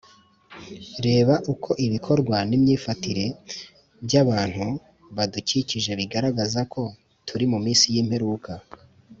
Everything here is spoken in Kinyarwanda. Reba uko ibikorwa n’imyifatire by’abantu badukikije bigaragaza ko turi mu minsi y’imperuka